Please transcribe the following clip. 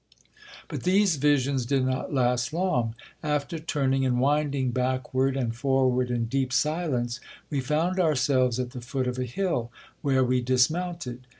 But these visions did not last long. After turning and winding backward and forward in deep silence, we found ourselves at the foot of a hill, where we dismounted.